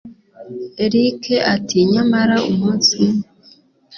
erick ati nyamara umunsi umwe